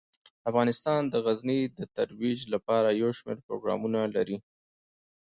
افغانستان د غزني د ترویج لپاره یو شمیر پروګرامونه لري.